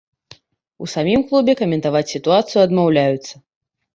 У самім клубе каментаваць сітуацыю адмаўляюцца.